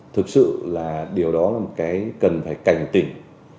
thực sự là điều đó là một cái cần phải cảnh tỉnh